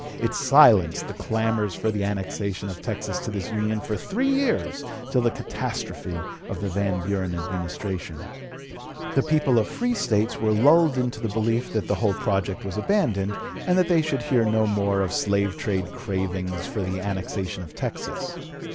It silenced the clamors for the annexation of Texas to this Union for three years till the catastrophe of the Van Buren Administration. The people of the free States were lulled into the belief that the whole project was abandoned, and that they should hear no more of slave trade cravings for the annexation of Texas.